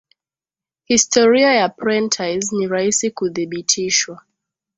historia ya prentice ni rahisi kudhibitishwa